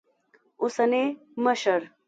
اوسني مشر